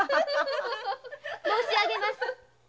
・申しあげます。